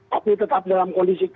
tapi tetap dalam kondisi